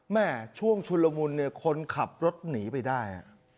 แม่ช่วงชุนละมุนเนี่ยคนขับรถหนีไปได้